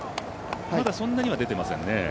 まだそんなには出てませんね。